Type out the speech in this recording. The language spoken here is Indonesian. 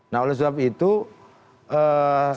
nah oleh sebab itu eee